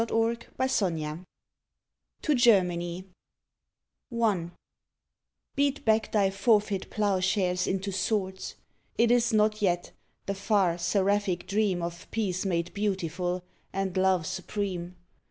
121 ON THE GREAT WAR TO GERMANY I Beat back thy forfeit plow shares into swords: It is not yet, the far, seraphic dream Of peace made beautiful and love supreme.